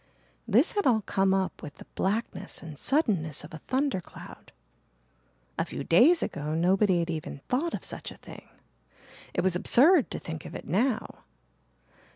This had all come up with the blackness and suddenness of a thundercloud. A few days ago nobody had even thought of such a thing. It was absurd to think of it now.